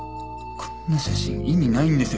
こんな写真意味ないんですよ。